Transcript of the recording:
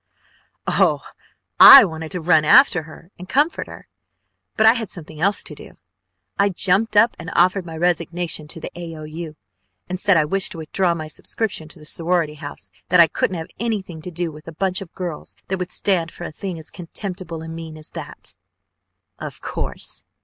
Oh I wanted to run after her and comfort her, but I had something else to do. I jumped up and offered my resignation to the AOU, and said I wished to withdraw my subscription to the Sorority House, that I couldn't have anything to do with a bunch of girls that would stand for a thing as contemptible and mean as that." "Of course!"